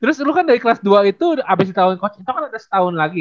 terus lu kan dari kelas dua itu abis ditawarin coach ito kan udah setahun lagi